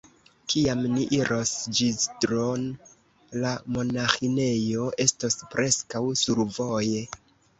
Kiam ni iros Ĵizdro'n, la monaĥinejo estos preskaŭ survoje.